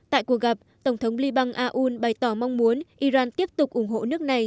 tại cuộc gặp tổng thống liên bang aoun bày tỏ mong muốn iran tiếp tục ủng hộ nước này